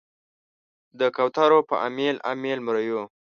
د کوترو په امیل، امیل مریو